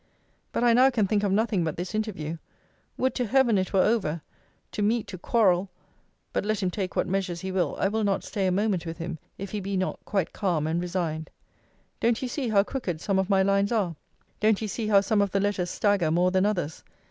But I now can think of nothing but this interview. Would to Heaven it were over! To meet to quarrel but, let him take what measures he will, I will not stay a moment with him, if he be not quite calm and resigned. Don't you see how crooked some of my lines are? Don't you see how some of the letters stagger more than others?